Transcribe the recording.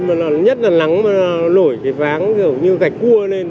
mà là nhất là nắng mà nó lổi cái váng kiểu như gạch cua lên